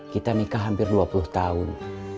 kita nikah hampir dua puluh tahun